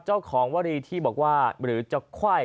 เจ้าของวรีที่บอกว่าหรือจะไขว้